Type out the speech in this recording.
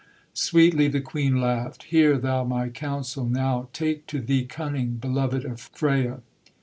Sweetly the Queen laughed: 'Hear thou my counsel now; Take to thee cunning, Beloved of Freya.